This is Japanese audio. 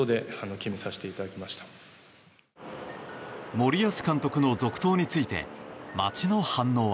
森保監督の続投について街の反応は。